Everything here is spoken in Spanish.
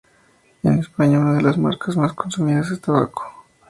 En España es una de las marcas más consumidas de tabaco.